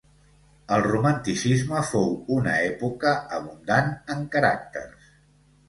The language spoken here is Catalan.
El Romanticisme fou una època abundant en caràcters.